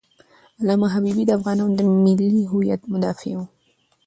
علامه حبیبي د افغانانو د ملي هویت مدافع و.